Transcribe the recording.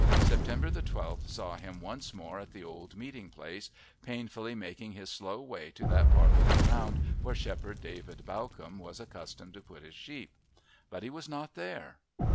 September the 12th saw him once more at the old meeting place, painfully making his slow way to that part of the ground where Shepherd David Bawcombe was accustomed to put his sheep. But he was not there.